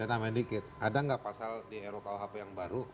apakah ada pasal di rkuhp yang baru